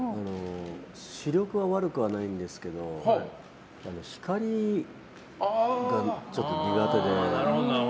視力は悪くはないんですけど光がちょっと苦手で。